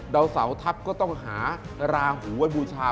ดาวเสาทัพก็ต้องหาราหูไว้บูชา